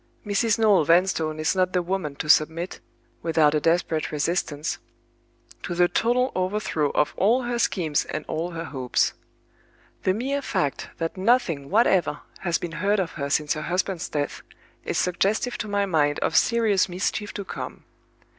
Mrs. Noel Vanstone is not the woman to submit, without a desperate resistance, to the total overthrow of all her schemes and all her hopes. The mere fact that nothing whatever has been heard of her since her husband's death is suggestive to my mind of serious mischief to come.